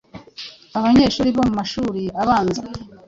abanyeshuri bo mu mashuri abanza